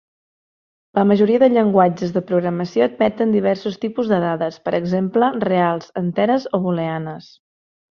La majoria de llenguatges de programació admeten diversos tipus de dades, per exemple: reals, enteres o booleanes.